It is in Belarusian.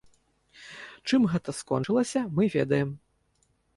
Чым гэта скончылася, мы ведаем.